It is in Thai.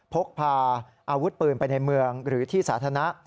พกพาอาวุธปืนไปในเมืองหรือที่สาธารณะ